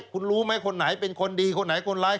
คุณรู้ไหมคนไหนเป็นคนดีคนไหนคนร้าย